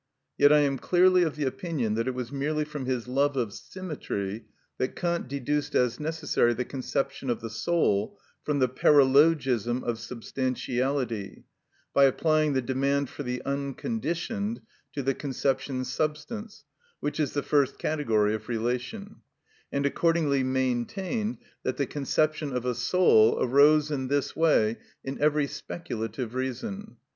Yet I am clearly of the opinion that it was merely from his love of symmetry that Kant deduced as necessary the conception of the soul from the paralogism of substantiality by applying the demand for the unconditioned to the conception substance, which is the first category of relation, and accordingly maintained that the conception of a soul arose in this way in every speculative reason.